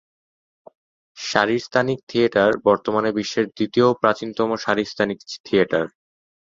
শারীরস্থানিক theatre বর্তমানে বিশ্বের দ্বিতীয় প্রাচীনতম শারীরস্থানিক থিয়েটার।